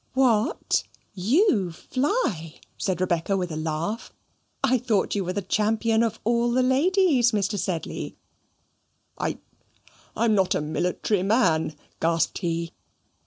"What, YOU fly?" said Rebecca, with a laugh. "I thought you were the champion of all the ladies, Mr. Sedley." "I I'm not a military man," gasped he.